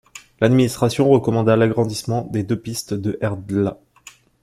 L’administration recommanda l’agrandissement des deux pistes de Herdla.